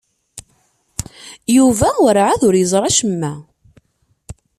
Yuba werɛad ur yeẓri acemma.